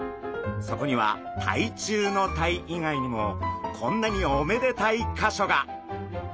そこには鯛中鯛以外にもこんなにおめでたいかしょが！